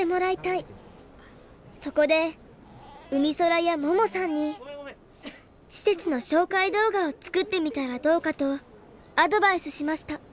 そこでうみそらや桃さんに施設の紹介動画を作ってみたらどうかとアドバイスしました。